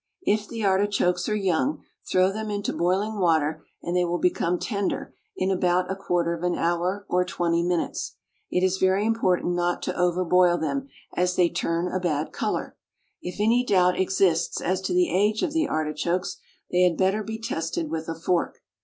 If the artichokes are young, throw them into boiling water, and they will become tender in about a quarter of an hour or twenty minutes. It is very important not to over boil them, as they turn a bad colour. If any doubt exists as to the age of the artichokes, they had better be tested with a fork.